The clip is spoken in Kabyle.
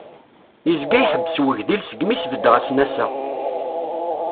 Yezga iḥebbes wegdil segmi i sbeddeɣ asnas-a.